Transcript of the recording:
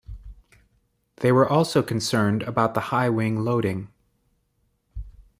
They were also concerned about the high wing loading.